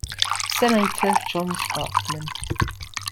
Senator John Sparkman.